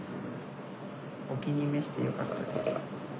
お気に召してよかったです。